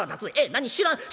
何知らん？